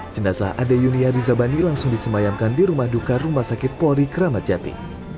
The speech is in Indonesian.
jenazah ade yunia rizabani langsung disemayamkan di rumah duka rumah sakit polri kramat jati